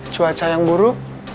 cuaca yang buruk